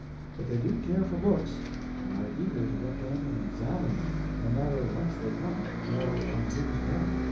But they do care for books, and are eager to get them and examine them, no matter whence they come, nor from whose pen.